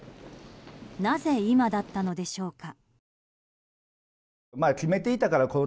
なぜ今だったのでしょうか。